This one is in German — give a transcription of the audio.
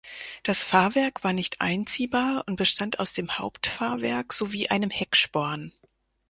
Das Fahrwerk war nicht einziehbar und bestand aus dem Hauptfahrwerk sowie einem Hecksporn.